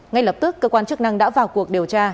ngay lập tức cơ quan chức năng đã vào cuộc điều tra